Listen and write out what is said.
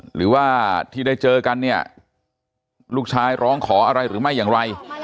หรือว่าที่ได้เจอกันเนี่ยลูกชายร้องขออะไรหรือไม่อย่างไร